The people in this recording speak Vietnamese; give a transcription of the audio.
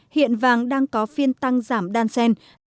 hiện vàng đang có phiên tăng giảm đan xen